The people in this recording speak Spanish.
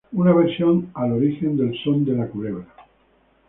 Una versión al origen del son de la Culebra.